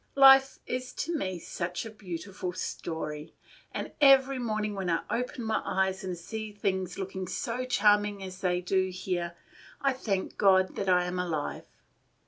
"Life is to me such a beautiful story! and every morning when I open my eyes and see things looking so charming as they do here, I thank God that I am alive.